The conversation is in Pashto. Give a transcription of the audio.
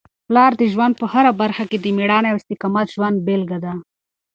پلار د ژوند په هره برخه کي د مېړانې او استقامت ژوندۍ بېلګه ده.